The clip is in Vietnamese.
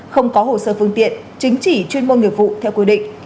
không có hồ sơ phương tiện chứng chỉ chuyên môn nghiệp vụ theo quy định